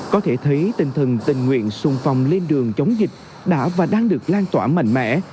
có thể thấy tinh thần tình nguyện sung phong lên đường chống dịch đã và đang được lan tỏa mạnh mẽ